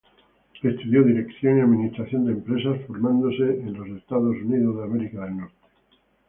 Estudió Dirección y Administración de Empresas, formándose en Estados Unidos.